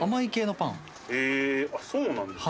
へぇそうなんですか。